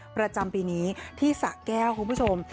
ประจำปีนี้ที่สะแก้วคุณผู้ชม